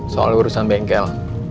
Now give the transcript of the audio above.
soal urusan bengkel